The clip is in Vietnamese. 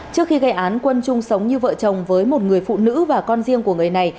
trước khi gây án quân chung sống như vợ chồng với một người phụ nữ và con riêng của người này